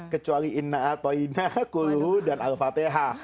kecuali inna atau inna quluh dan al fatheha